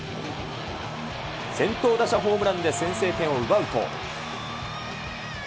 先頭打者ホームランで先制点を奪うと。